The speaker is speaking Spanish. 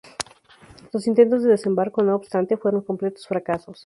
Los intentos de desembarco, no obstante, fueron completos fracasos.